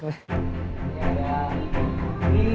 ini adalah ini